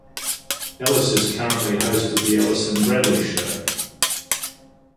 Ellis is currently host of the Ellis and Bradley Show.